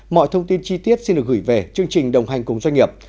mọi thông tin chi tiết xin được gửi về chương trình đồng hành cùng doanh nghiệp